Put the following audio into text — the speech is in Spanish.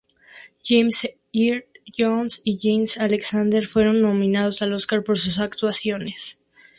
James Earl Jones y Jane Alexander fueron nominados al Óscar por sus actuaciones.